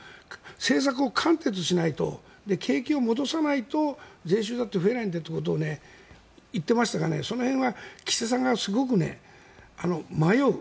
政策を完結しないと景気を戻さないと税収だって増えないんだと言っていましたがその辺は岸田さんがすごく迷う。